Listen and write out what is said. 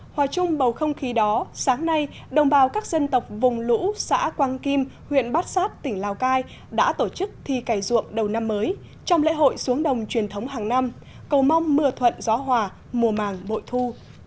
hòa chung bầu không khí đó sáng nay đồng bào các dân tộc vùng lũ xã quang kim huyện bát sát tỉnh lào cai đã tổ chức thi cải ruộng đầu năm mới trong lễ hội xuống đồng truyền thống hàng năm cầu mong mưa thuận gió hòa mùa màng bội thu